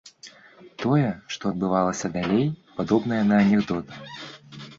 Тое, што адбывалася далей, падобнае на анекдот.